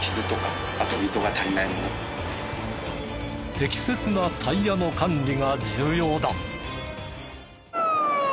適切なタイヤの管理が重要だ。